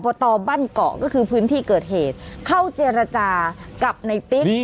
ตอบ้านเกาะก็คือพื้นที่เกิดเหตุเข้าเจรจากับในติ๊ก